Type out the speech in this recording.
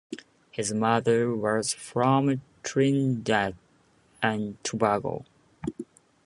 His mother was from Trinidad and Tobago.